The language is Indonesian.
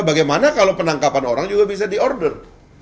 bagaimana kalau penangkapan orang juga bisa di order